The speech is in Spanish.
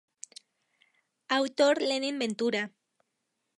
Autor Lenin Ventura.